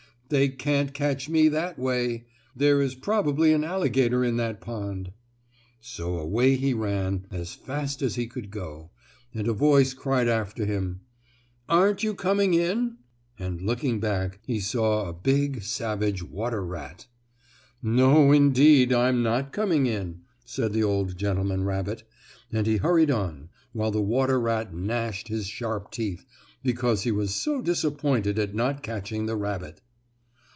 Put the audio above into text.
"They can't catch me that way! There is probably an alligator in that pond." So away he ran as fast as he could go, and a voice cried after him: "Aren't you coming in?" And, looking back, he saw a big, savage water rat. "No, indeed; I'm not coming in," said the old gentleman rabbit, and he hurried on, while the water rat gnashed his sharp teeth, because he was so disappointed at not catching the rabbit.